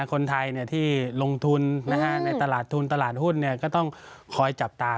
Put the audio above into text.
คนไทยที่ลงทุนในตลาดทุนตลาดหุ้นก็ต้องคอยจับตา